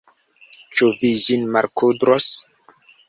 Ĉu vi ĝin malkudros?